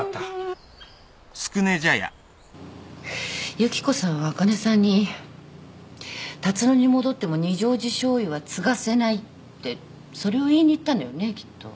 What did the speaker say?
雪子さんはあかねさんに龍野に戻っても二条路醤油は継がせないってそれを言いに行ったのよねきっと。